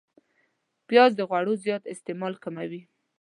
پیاز د غوړو زیات استعمال کموي